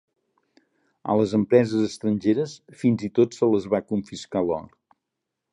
A les empreses estrangeres fins i tot se les va confiscar l'or.